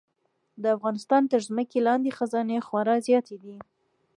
د افغانستان تر ځمکې لاندې خزانې خورا زیاتې دي.